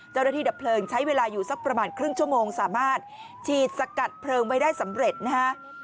ดับเพลิงใช้เวลาอยู่สักประมาณครึ่งชั่วโมงสามารถฉีดสกัดเพลิงไว้ได้สำเร็จนะฮะ